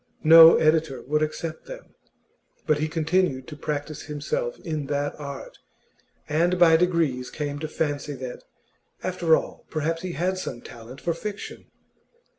No editor would accept them; but he continued to practise himself in that art, and by degrees came to fancy that, after all, perhaps he had some talent for fiction.